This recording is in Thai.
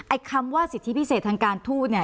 คำว่าสิทธิพิเศษทางการทูตเนี่ย